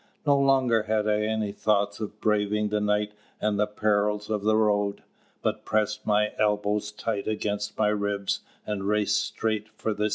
No longer had I any thought of braving the night and the perils of the road, but pressed my elbows tight against my ribs and raced straight for Stimcoe's.